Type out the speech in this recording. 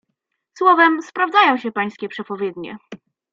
"Słowem sprawdzają się pańskie przepowiednie."